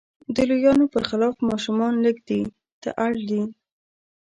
د لویانو پر خلاف ماشومان لږ دې ته اړ دي.